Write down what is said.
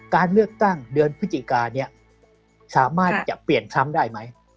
การเลือกตั้งเดือนพฤศจิกานี้สามารถจะเปลี่ยนซ้ำได้ไหม